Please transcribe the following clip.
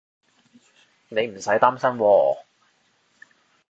你唔使擔心喎